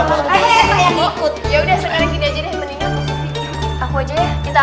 apa yang ikut